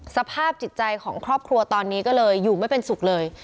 สภาพจิตใจของครอบครัวตอนนี้ก็เลยอยู่ไม่เป็นสุขเลย